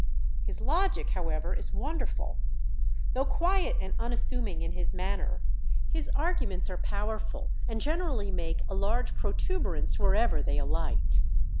His logic, however, is wonderful. Though quiet and unassuming in his manner, his arguments are powerful and generally make a large protuberance wherever they alight.